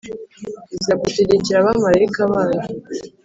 “Izagutegekera abamarayika bayo,